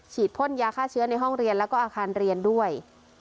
พ่นยาฆ่าเชื้อในห้องเรียนแล้วก็อาคารเรียนด้วย